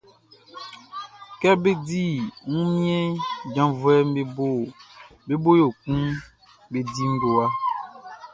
Kɛ bé dí wunmiɛnʼn, janvuɛʼm be bo yo kun be di ngowa.